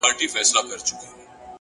د سړک څراغونه د شپې لار نرموي!